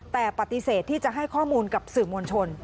แต่ปฏิเสธที่จะให้ข้อมูลกับสื่อมวลชน